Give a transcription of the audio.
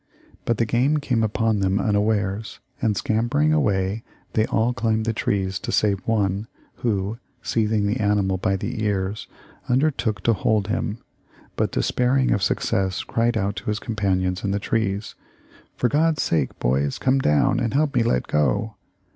But the game came upon them unawares, and scampering away they all climbed the trees save one, who, seizing the animal by the ears, undertook to hold him, but despairing of success cried out to his companions in the trees, 'For God's sake, boys, come down and help me let go.'